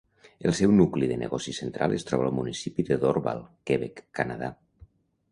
El seu nucli de negoci central es troba al municipi de Dorval, Quebec, Canadà.